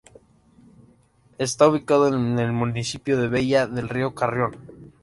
Está ubicado en el municipio de Velilla del Río Carrión.